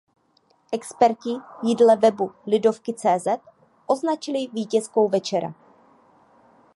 Experti ji dle webu "Lidovky.cz" označili vítězkou večera.